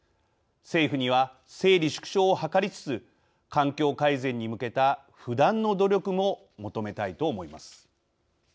政府には整理・縮小を図りつつ環境改善に向けた不断の努力も求めたいと思います。